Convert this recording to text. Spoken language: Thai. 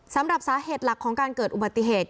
สำหรับสาเหตุหลักของการเกิดอุบัติเหตุ